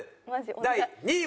第２位は。